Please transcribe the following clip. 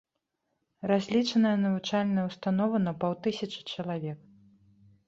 Разлічаная навучальная ўстанова на паўтысячы чалавек.